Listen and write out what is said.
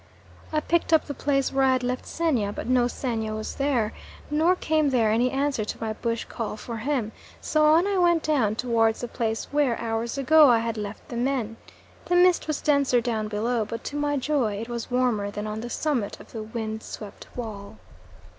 I picked up the place where I had left Xenia, but no Xenia was there, nor came there any answer to my bush call for him, so on I went down towards the place where, hours ago, I had left the men. The mist was denser down below, but to my joy it was warmer than on the summit of the wind swept wall.